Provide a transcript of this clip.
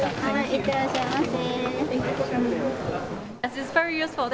いってらっしゃいませ。